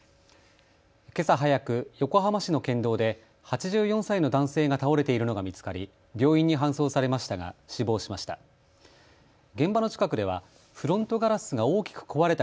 けさ早く横浜市の県道で８４歳の男性が倒れているのが見つかり病院に搬送されましたが死亡しました。